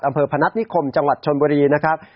อำเภอพนัสนิคมจังหวัดชนบุรีนะครับ